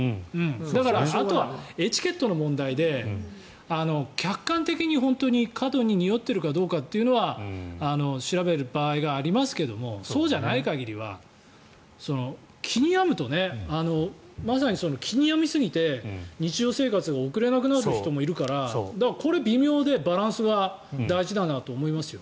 だから、あとはエチケットの問題で客観的に過度ににおっているかどうかは調べる場合がありますがそうじゃない限りは気に病むとまさに気に病みすぎて日常生活が送れなくなる人もいるからだからこれは微妙でバランスが大事だと思います。